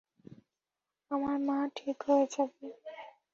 আমার মা ঠিক হয়ে যাবে।